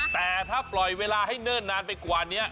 แต่ถ้าปล่อยเวลาให้เนิ่นนานไปกว่านี้